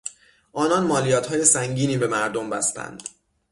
آنان مالیاتهای سنگینی به مردم بستند.